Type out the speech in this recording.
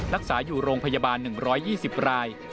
รักษาอยู่โรงพยาบาล๑๒๐ราย